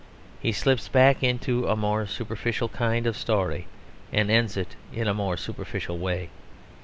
He slips back into a more superficial kind of story and ends it in a more superficial way.